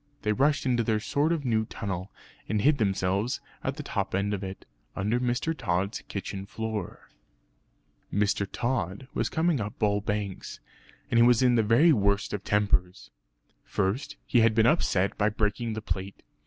They rushed into their short new tunnel, and hid themselves at the top end of it, under Mr. Tod's kitchen floor. Mr. Tod was coming up Bull Banks, and he was in the very worst of tempers. First he had been upset by breaking the plate.